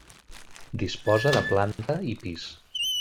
Disposa de planta i pis.